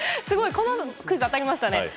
このクイズは当たりましたね。